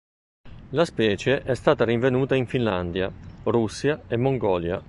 La specie è stata rinvenuta in Finlandia, Russia e Mongolia.